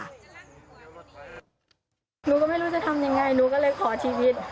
หนูก็ไม่รู้จะทำยังไงหนูก็เลยขอชีวิต